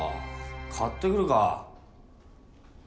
買ってくるか。